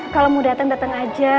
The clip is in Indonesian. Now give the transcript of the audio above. kalau mau datang datang aja